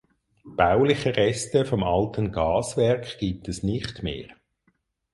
Bauliche Reste vom alten Gaswerk gibt es nicht mehr.